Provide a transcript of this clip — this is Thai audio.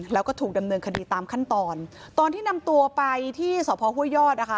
แล้วก็ถูกดำเนินคดีตามขั้นตอนตอนที่นำตัวไปที่สพห้วยยอดนะคะ